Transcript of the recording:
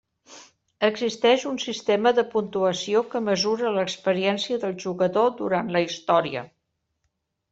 Existeix un sistema de puntuació que mesura l'experiència del jugador durant la història.